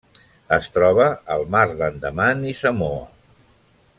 Es troba al Mar d'Andaman i Samoa.